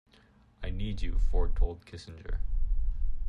'I need you,' Ford told Kissinger.